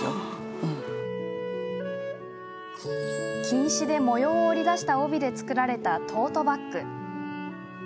金糸で模様を織り出した帯で作られたトートバッグ。